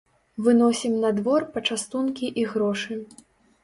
Выносім на двор пачастункі і грошы.